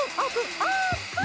オープン！